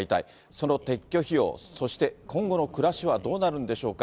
その撤去費用、そして、今後の暮らしはどうなるんでしょうか。